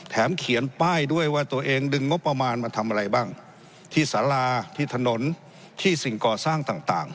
เขียนป้ายด้วยว่าตัวเองดึงงบประมาณมาทำอะไรบ้างที่สาราที่ถนนที่สิ่งก่อสร้างต่าง